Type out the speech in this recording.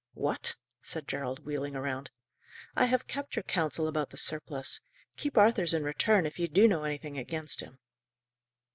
"What?" said Gerald, wheeling round. "I have kept your counsel about the surplice. Keep Arthur's in return, if you do know anything against him."